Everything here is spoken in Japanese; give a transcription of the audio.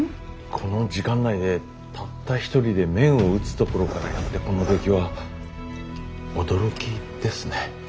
この時間内でたった一人で麺を打つところからやってこの出来は驚きですね。